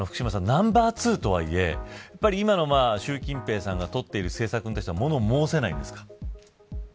ナンバー２とはいえ今の習近平さんが取っている政策に対しては物申せないんですか。